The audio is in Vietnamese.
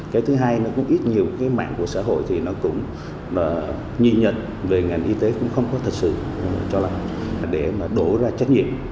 cái thứ hai là cũng ít nhiều mạng của xã hội thì nó cũng nhị nhật về ngành y tế cũng không có thật sự cho lòng để đổ ra trách nhiệm